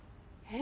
え？